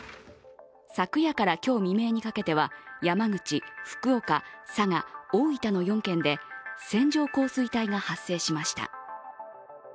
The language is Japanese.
昨夜から今日未明にかけては山口、福岡、佐賀、大分の４県で線状降水帯が発生しました。